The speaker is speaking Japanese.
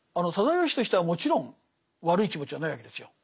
直義という人はもちろん悪い気持ちはないわけですよ。